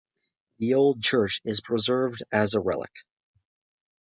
The old church is preserved as a relic.